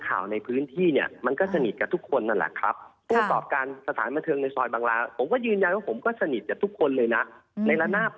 คือเดี๋ยวผมขออธิบายคำว่าเพื่อนสนิทก่อน